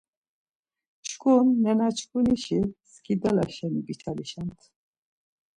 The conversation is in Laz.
Çku nenaçkunişi skidala şeni biçalişamt.